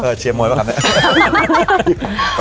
ว้าวเชียร์มวยเมื่อก่อนหนึ่ง